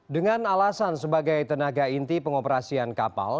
dengan alasan sebagai tenaga inti pengoperasian kapal